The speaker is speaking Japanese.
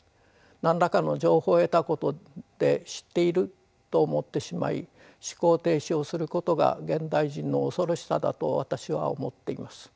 何らかの情報を得たことで知っていると思ってしまい思考停止をすることが現代人の恐ろしさだと私は思っています。